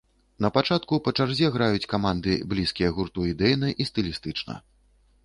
Напачатку па чарзе граюць каманды, блізкія гурту ідэйна і стылістычна.